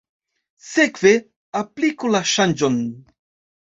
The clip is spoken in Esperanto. Sekve, apliku la ŝanĝon.